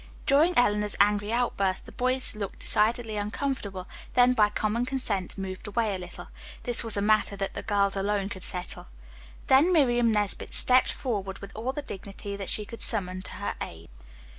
During Eleanor's angry outburst the boys looked decidedly uncomfortable, then by common consent moved away a little. This was a matter that the girls alone could settle. Then Miriam Nesbit stepped forward with all the dignity that she could summon to her aid.